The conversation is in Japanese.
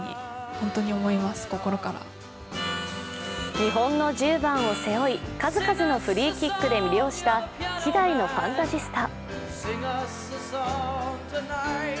日本の１０番を背負い、数々のフリーキックで魅了した稀代のファンタジスタ。